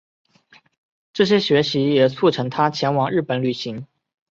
这些学习也促成他前往日本旅行。